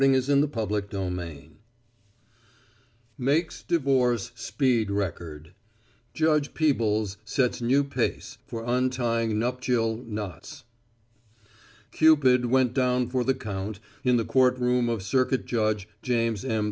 XXXIV WHICH BEGINS ANOTHER STORY MAKES DIVORCE SPEED RECORD Judge Peebles Sets New Pace for Untying Nuptial Knots. Cupid went down for the count in the courtroom of Circuit Judge James M.